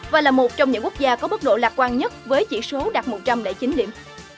và là một trong những quốc gia có mức độ lạc quan nhất với chỉ số đạt một trăm linh chín điểm